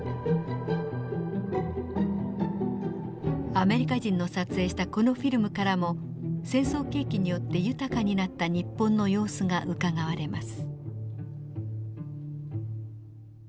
アメリカ人の撮影したこのフィルムからも戦争景気によって豊かになった日本の様子がうかがわれます。